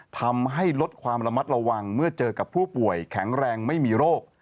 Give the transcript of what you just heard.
ทำให้ลดความระมัดระวังเมื่อเจอกับผู้ป่วยแข็งแรงไม่มีโรค